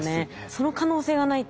その可能性がないと。